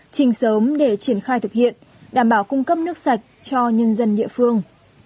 trình sớm để triển khai thực hiện đảm bảo cung cấp nước sạch cho nhân dân địa phương